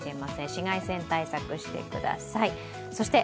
紫外線対策してください。